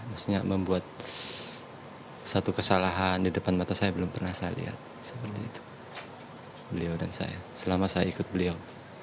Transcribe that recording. maksudnya membuat satu kesalahan di depan mata saya belum pernah saya lihat seperti itu beliau dan saya selama saya ikut beliau